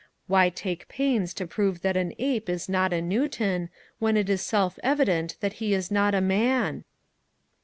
Why take pains to prove than an ape is not a Newton, when it is self evident that he is not a man?